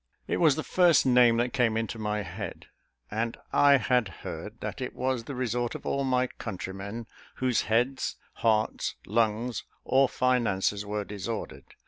It was the first name that came into my head; and I had heard that it was the resort of all my countrymen whose heads, hearts, lungs, or finances were disordered.